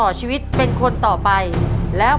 คุณยายแจ้วเลือกตอบจังหวัดนครราชสีมานะครับ